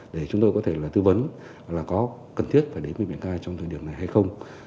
để chúng tôi có thể là tư vấn là có cần thiết phải đến bệnh viện ca trong thời điểm này hay không